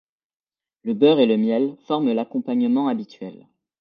Le beurre et le miel forment l'accompagnement habituel.